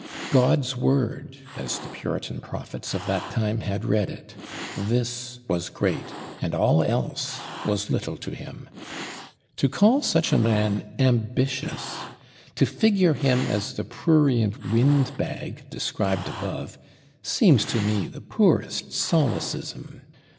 God's Word, as the Puritan prophets of that time had read it: this was great, and all else was little to him. To call such a man "ambitious," to figure him as the prurient wind bag described above, seems to me the poorest solecism.